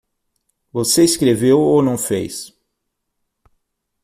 Você escreveu ou não fez?